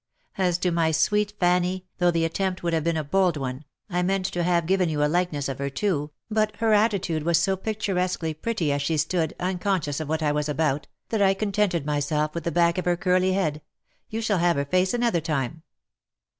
As to my sweet Fanny, though the attempt would have been a bold one, I meant to have given you a likeness of her too, but her attitude was so picturesquely pretty as she stood, uncon scious of what I was about, that I contented myself with the back of her curly head — you shall have her face another time.